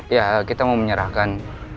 ya kita mau menyerahkan